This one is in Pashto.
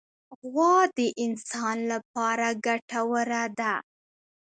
غوا د انسان له پاره ګټوره ده.